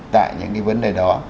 tại những cái vấn đề đó